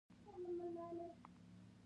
که په ډېره لوړه بيه هم وي بايد پرې نه ښودل شي.